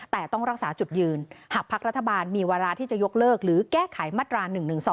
แต่ต้องรักษาจุดยืนหากพักรัฐบาลมีวาระที่จะยกเลิกหรือแก้ไขมาตรา๑๑๒